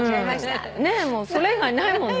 もうそれ以外ないもんね。